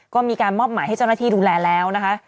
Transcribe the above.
ก็มีการมอบหมายให้เจ้าหน้าที่ดูแลแล้วนะคะ